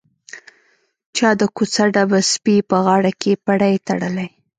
چا د کوڅه ډبه سپي په غاړه کښې پړى تړلى.